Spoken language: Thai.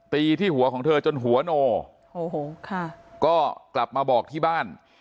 ตีที่หัวของเธอจนหัวโนโอ้โหค่ะก็กลับมาบอกที่บ้าน